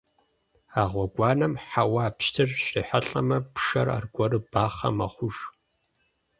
А гъуэгуанэм хьэуа пщтыр щрихьэлӀэмэ, пшэр аргуэру бахъэ мэхъуж.